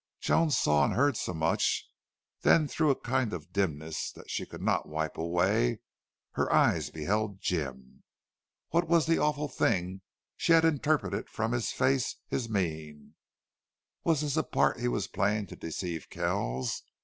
Joan saw and heard so much, then through a kind of dimness, that she could not wipe away, her eyes beheld Jim. What was the awful thing that she interpreted from his face, his mien? Was this a part he was playing to deceive Kells?